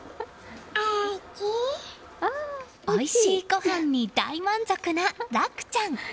おいしいご飯に大満足な樂ちゃん。